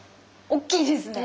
大きいですよね。